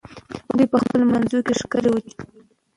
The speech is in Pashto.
دوی په خپلو منځو کې ښکرې اچوي.